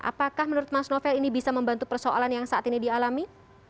apakah menurut mas novel ini bisa membantu persoalan yang saat ini dialami